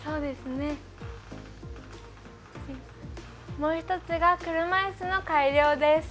もう１つが車いすの改良です。